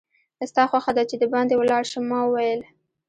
ستا خوښه ده چې دباندې ولاړ شم؟ ما وویل.